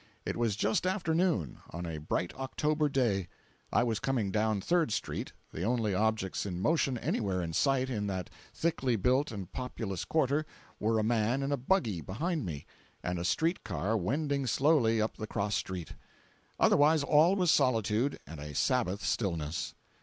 It was just after noon, on a bright October day. I was coming down Third street. The only objects in motion anywhere in sight in that thickly built and populous quarter, were a man in a buggy behind me, and a street car wending slowly up the cross street. Otherwise, all was solitude and a Sabbath stillness.